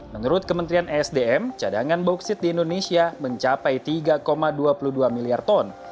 menurut kementerian esdm cadangan bauksit di indonesia mencapai tiga dua puluh dua miliar ton